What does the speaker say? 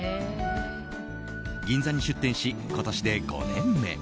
銀座に出店し、今年で５年目。